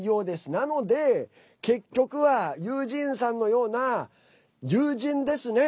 なので、結局はユージンさんのような友人ですね。